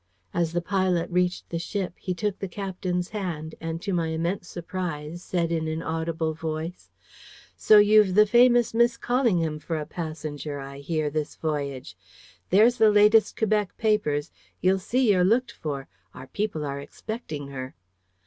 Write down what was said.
As the pilot reached the ship, he took the captain's hand, and, to my immense surprise, said in an audible voice: "So you've the famous Miss Callingham for a passenger, I hear, this voyage. There's the latest Quebec papers. You'll see you're looked for. Our people are expecting her."